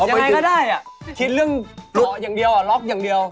อย่างไรก็ได้คิดเรื่องต่ออย่างเดียวล็อกอย่างเดียว